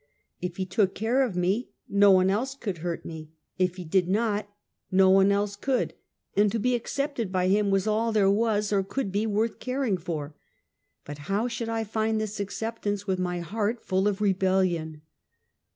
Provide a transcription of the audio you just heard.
If he took care of me, no one else could hurt me; if he did not, no one else could; and to be accept ed by him was all there was or could be worth caring for; but how should I find this acceptance with my heart full of rebellion?